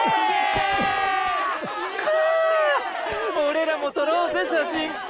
俺らも撮ろうぜ写真。